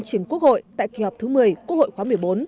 chỉnh quốc hội tại kỳ họp thứ một mươi quốc hội khóa một mươi bốn